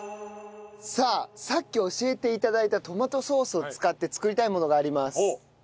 さあさっき教えて頂いたトマトソースを使って作りたいものがあります。